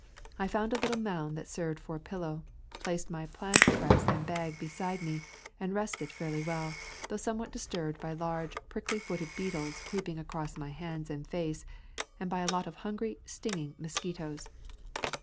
I found a little mound that served for a pillow, placed my plant press and bag beside me and rested fairly well, though somewhat disturbed by large prickly footed beetles creeping across my hands ~ and face, and by a lot of hungry stinging mo squitoes.